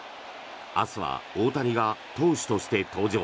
明日は大谷が投手として登場。